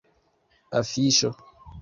afiŝo